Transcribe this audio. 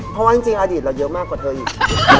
เพราะว่าจริงอดีตเราเยอะมากกว่าเธออีก